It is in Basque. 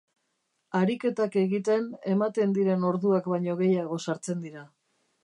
Ariketak egiten ematen diren orduak baino gehiago sartzen dira.